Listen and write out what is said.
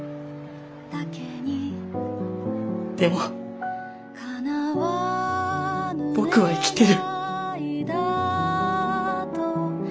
でも僕は生きてる。